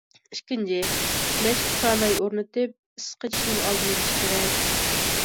ئىككىنچى، مەشكە كاناي ئورنىتىپ، ئىس قېچىشنىڭ ئالدىنى ئېلىش كېرەك.